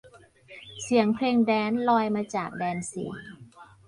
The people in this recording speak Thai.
เสียงเพลงแดนซ์ลอยมาจากแดนสี่